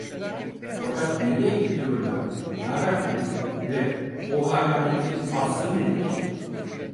Fakat nereye gidiyorlar, Yarabbi: Ve o hayaletin aslı nedir?